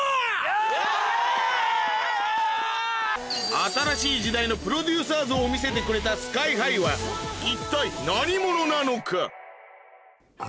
新しい時代のプロデューサー像を見せてくれたＳＫＹ−ＨＩは一体何者なのか？